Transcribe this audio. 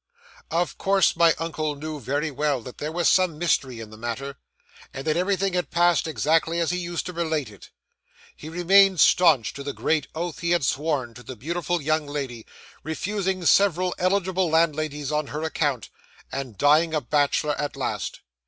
'Of course, my uncle knew very well that there was some mystery in the matter, and that everything had passed exactly as he used to relate it. He remained staunch to the great oath he had sworn to the beautiful young lady, refusing several eligible landladies on her account, and dying a bachelor at last.